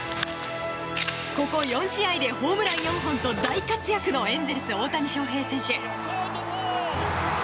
ここ４試合でホームラン４本と大活躍のエンゼルス、大谷翔平選手。